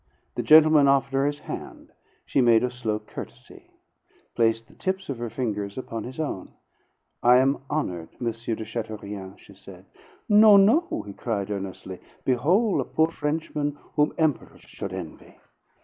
The gentleman offered her his hand; she made a slow courtesy; placed the tips of her fingers upon his own. "I am honored, M. de Chateaurien," she said. "No, no!" he cried earnestly. "Behol' a poor Frenchman whom emperors should envy."